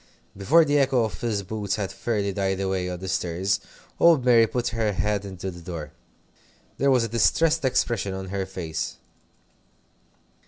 Before the echo of Phil's boots had fairly died away on the stairs, old Mary put her head into the door. There was a distressed expression on her face.